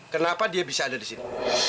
kenapa dia bisa ada di sini